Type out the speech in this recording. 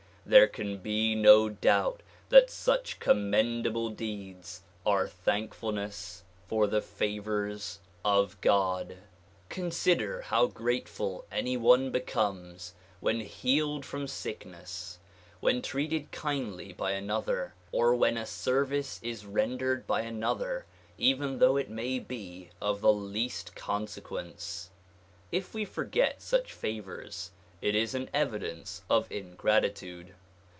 There can be no doubt that such commendable deeds are thankfulness for the favors of God. Consider how grateful any one becomes when healed from sick ness, when treated kindly by another or when a service is rendered by another, even though it may be of the least consequence. If we forget such favors it is an evidence of ingratitude.